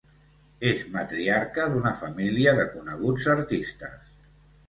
És matriarca d'una família de coneguts artistes.